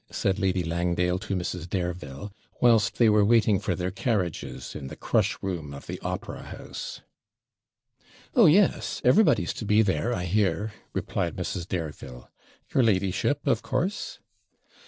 said Lady Langdale to Mrs. Dareville, whilst they were waiting for their carriages in the crush room of the opera house. 'Oh yes! everybody's to be there, I hear,' replied Mrs. Dareville. 'Your ladyship, of course?'